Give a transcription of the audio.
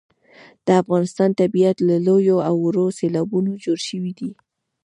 د افغانستان طبیعت له لویو او وړو سیلابونو جوړ شوی دی.